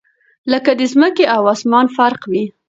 لكه دځمكي او اسمان فرق وي